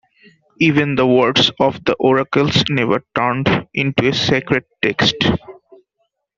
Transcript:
Even the words of the oracles never turned into a sacred text.